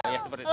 ya seperti itu